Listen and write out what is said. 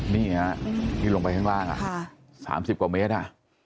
นี่ลงไปข้างล่างอะ๓๐กว่าเมตรอ่ะ